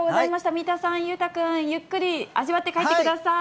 三田さん、裕太君、ゆっくり味わって帰ってください。